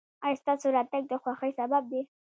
ایا ستاسو راتګ د خوښۍ سبب دی؟